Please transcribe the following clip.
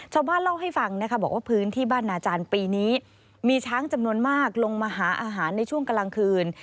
ชาวบ้านเล่าให้ฟังนะคะบอกว่าพื้นที่บ้านนาจารย์ปีนี้มีช้างจำนวนมากลงมาหาอาหารในช่วงกลางคืน